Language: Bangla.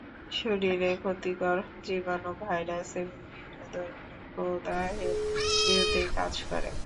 শরীরে ক্ষতিকর জীবাণু, ভাইরাস এবং বিভিন্ন ধরনের প্রদাহের বিরুদ্ধে কাজ করে।